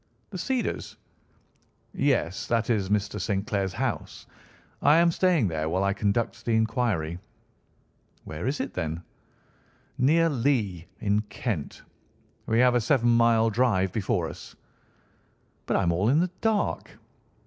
"The Cedars?" "Yes; that is Mr. St. Clair's house. I am staying there while I conduct the inquiry." "Where is it, then?" "Near Lee, in Kent. We have a seven mile drive before us." "But I am all in the dark."